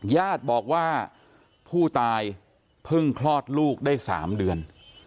ญาติบอกว่าผู้ตายเพิ่งคลอดลูกได้๓เดือน